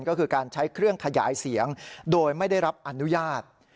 ก็คือการใช้เครื่องขยายเสียงโดยไม่ได้รับอนุญาต